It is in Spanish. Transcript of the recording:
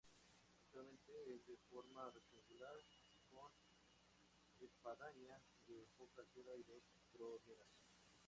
Actualmente es de forma rectangular, con espadaña de poca altura y dos troneras.